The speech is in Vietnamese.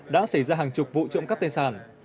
đã xảy ra hàng chục vụ trộm cắp tài sản